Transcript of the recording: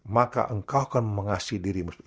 maka engkau akan mengasih dirimu